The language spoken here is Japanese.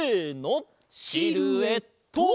シルエット！